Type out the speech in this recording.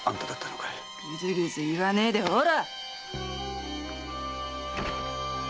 グズグズ言わねえでほら！